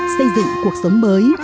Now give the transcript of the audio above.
xây dựng cuộc sống mới